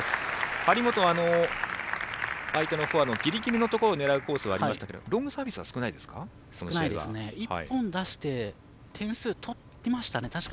張本は相手のフォアのギリギリのところを狙うコースはありましたがロングサービスは少ないですか？